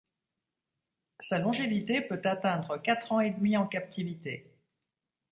Sa longévité peut atteindre quatre ans et demi en captivité.